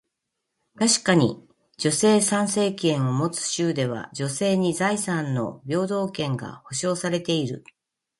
確かに、女性参政権を持つ州では、女性に財産の平等権が保証されている。